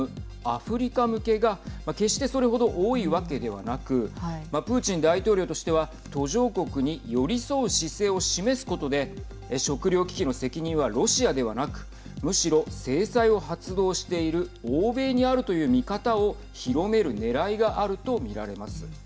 アフリカ向けが決してそれほど多いわけではなくプーチン大統領としては途上国に寄り添う姿勢を示すことで食料危機の責任はロシアではなくむしろ制裁を発動している欧米にあるという見方を広めるねらいがあると見られます。